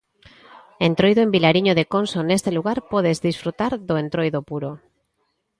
Entroido en Vilariño de Conso Neste lugar podes desfrutar do entroido puro.